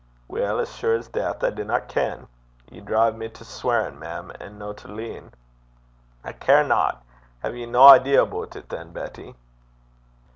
'Weel, as sure's deith, I dinna ken. Ye drive me to sweirin', mem, an' no to leein'.' 'I carena. Hae ye no idea aboot it, than, Betty?'